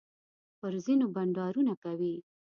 پر زینو بنډارونه کوي.